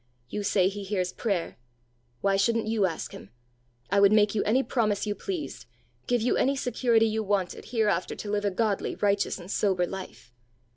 You say he hears prayer: why shouldn't you ask him? I would make you any promise you pleased give you any security you wanted, hereafter to live a godly, righteous, and sober life."